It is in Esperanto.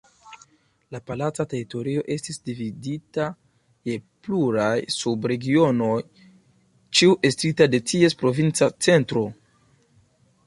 La palaca teritorio estis dividita je pluraj sub-regionoj, ĉiu estrita de ties provinca centro.